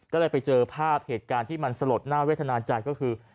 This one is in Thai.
ก็เลยไปเจอภาพเหตุการณ์ที่มันสลดน่าเวทนาใจก็คือ